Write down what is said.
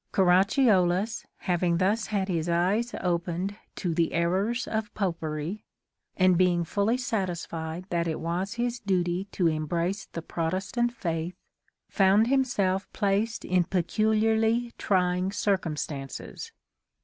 Caracciolus having thus had his eyes opened to the errors of Popery, and being fully satisfied that it was his duty to embrace the Protestant faith, found himself placed in pecu liarly trying circumstances.